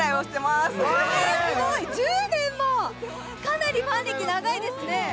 すごい１０年も、かなりファン歴長いですね。